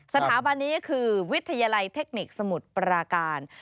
สถาบันนี้คือวิทยาลัยเทคนิคสมุทรปราการ